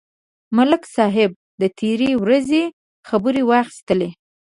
ملک صاحب د تېرې ورځې خبرې واخیستلې.